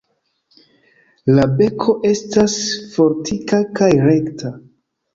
La beko estas fortika kaj rekta.